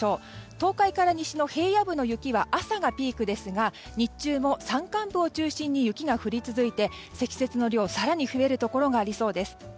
東海から西の平野部の雪は朝がピークですが日中も山間部を中心に雪が降り続いて積雪の量、更に増えるところがありそうです。